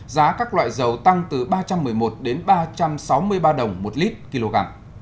giá các loại dầu tăng từ ba trăm một mươi một đến ba trăm sáu mươi ba đồng một lít kg